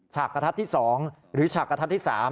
ฉกกระทัดที่๒หรือฉากกระทัดที่๓